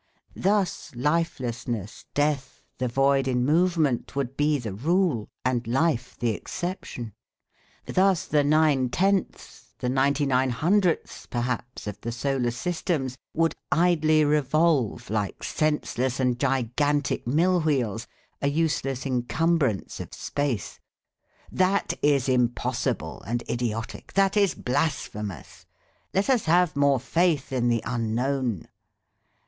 Thus lifelessness, death, the void in movement would be the rule; and life the exception! Thus the nine tenths, the ninety nine hundredths, perhaps, of the solar systems, would idly revolve like senseless and gigantic mill wheels, a useless encumbrance of space. That is impossible and idiotic, that is blasphemous. Let us have more faith in the unknown!